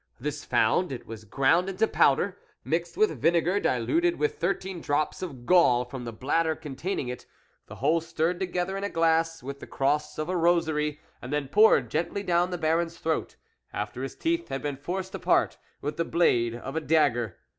This found, it was ground into powder, mixed with vinegar diluted with thirteen drops of gall from the bladder containing it, the whole stirred together in a glass with the cross of a rosary, and then poured gently down the Baron's threat, after his teeth had been forced apart with the blade of a dagger.